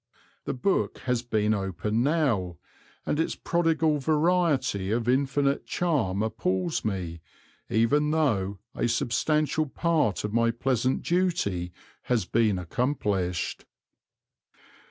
The book has been opened now, and its prodigal variety of infinite charm appals me, even though a substantial part of my pleasant duty has been accomplished.